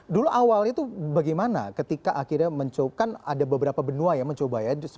dulu awalnya itu bagaimana ketika akhirnya mencoba kan ada beberapa benua yang mencoba ya